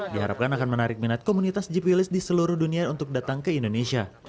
diharapkan akan menarik minat komunitas jeep wills di seluruh dunia untuk datang ke indonesia